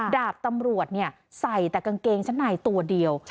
ดาบตำรวจใส่แต่กางเกงชั้นในตัวเดียว